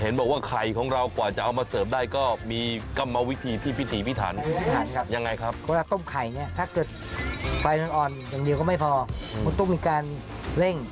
อย่างเดียวก็ไม่พอมันต้องมีการเร่ง